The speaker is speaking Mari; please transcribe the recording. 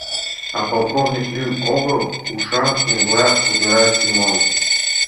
А полковник — лӱм огыл, — ушан еҥла кутыра Семон.